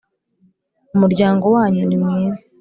umuryango wanyu ni mwiza